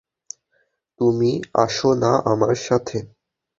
তুমি আসো না আমার সাথে।